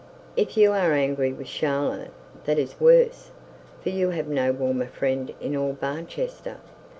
'If you are angry with Charlotte, that is worse; for you have no warmer friend in all Barchester.